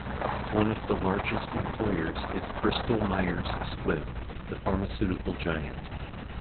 One of the largest employers is Bristol-Myers Squibb, the pharmaceutical giant.